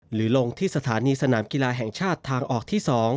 ลงที่สถานีสนามกีฬาแห่งชาติทางออกที่๒